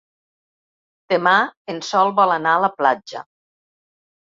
Demà en Sol vol anar a la platja.